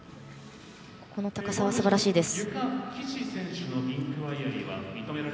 この高さはすばらしいです。